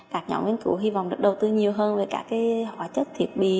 các nhóm nghiên cứu hy vọng được đầu tư nhiều hơn về các cái hóa chất thiệt bị